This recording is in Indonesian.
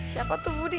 siapa tuh budi